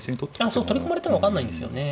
そう取り込まれても分かんないんですよね。